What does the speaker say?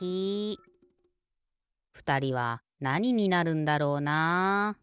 ふたりはなにになるんだろうな。